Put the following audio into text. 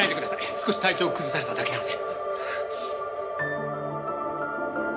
少し体調を崩されただけなので。